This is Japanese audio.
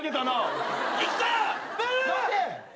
待て！